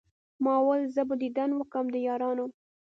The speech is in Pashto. ما ول زه به ديدن وکم د يارانو